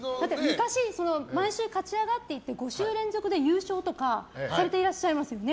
昔、毎週勝ち上がっていって５週連続で優勝とかされていらっしゃいますよね。